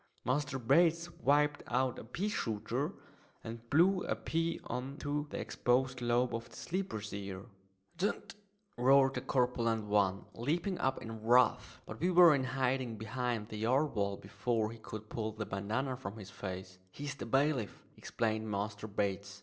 Master Bates whipped out a pea shooter, and blew a pea on to the exposed lobe of the sleeper's ear. "D n!" roared the corpulent one, leaping up in wrath. But we were in hiding behind the yard wall before he could pull the bandanna from his face. "He's the bailiff," explained Master Bates.